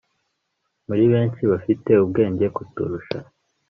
Muri benshi bafite ubwenge kuturusha